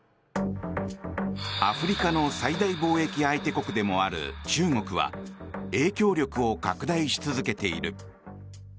アフリカの最大貿易相手国でもある中国は影響力を拡大し続けている。